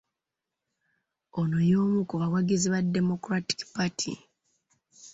Ono y'omu ku bawagizi ba Democratic Party.